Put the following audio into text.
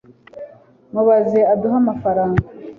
mubaze aduhe amafaranga